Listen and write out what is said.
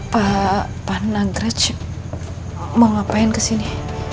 pak pak nagraj mau ngapain kesini